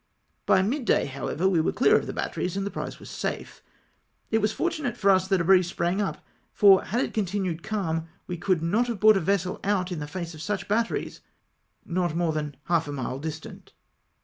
By mid day, however, we were clear of the batteries, with the prize safe. It was fortunate for us that a breeze sprang up, for had it continued calm, we could not have brought a vessel out in the face of such batteries, not more than half a mile distant.